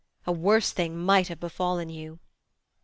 A worse thing might have befallen you.'